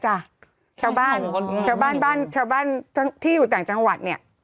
ชาวบ้านชาวบ้านที่อยู่ต่างจังหวัดเนี่ย